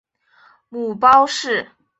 母包氏。